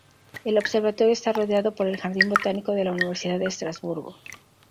El observatorio está rodeado por el Jardín Botánico de la Universidad de Estrasburgo.